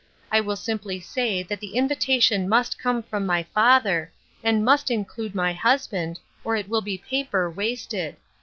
I will simply say that the invitation must come from my father, and must include my husband, or it will be paper wasted.